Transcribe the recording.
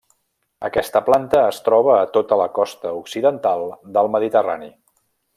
Aquesta planta es troba a tota la costa occidental del mediterrani.